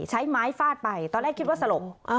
ใช้ไม้ฟาดไปตอนแรกคิดว่าสลบ